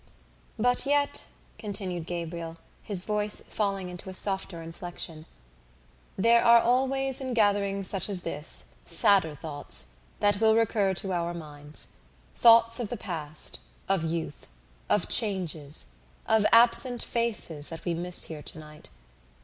"But yet," continued Gabriel, his voice falling into a softer inflection, "there are always in gatherings such as this sadder thoughts that will recur to our minds: thoughts of the past, of youth, of changes, of absent faces that we miss here tonight.